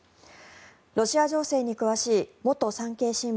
ロシア情勢に詳しい元産経新聞